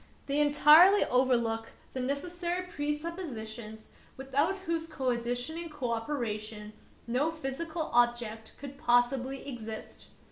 They entirely overlook the necessary presuppositions without whose conditioning cooperation no physical objects could possibly exist.